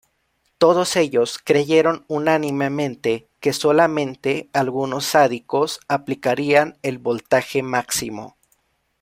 Todos ellos creyeron unánimemente que solamente algunos sádicos aplicarían el voltaje máximo.